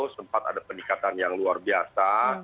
sempat ada peningkatan yang luar biasa